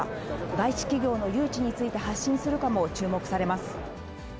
外資企業の誘致について発信するかも注目されます。